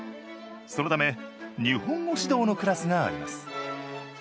そのため日本語指導のクラスがあります。